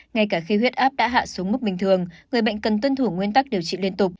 ngay cả khi huyết áp đã hạ xuống mức bình thường người bệnh cần tuân thủ nguyên tắc điều trị liên tục